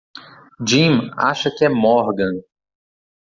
Jim acha que é Morgan.